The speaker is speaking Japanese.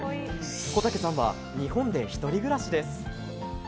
小竹さんは日本で一人暮らしです。